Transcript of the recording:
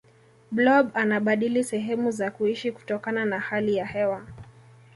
blob anabadili sehemu za kuishi kutokana na hali ya hewa